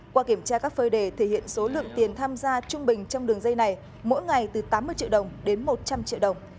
qua kiểm tra các phơi đề thể hiện số lượng tiền tham gia trung bình trong đường dây này mỗi ngày từ tám mươi triệu đồng đến một trăm linh triệu đồng